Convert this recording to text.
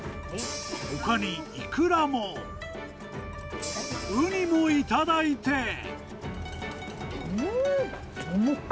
ほかにイクラも、ウニも頂いうーん。